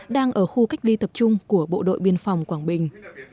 đang ở khu cách ly tập trung của bộ đội biên phòng quảng bình